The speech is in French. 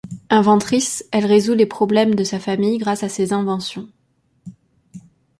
Inventrice, elle résout les problèmes de sa famille grâce à ses inventions.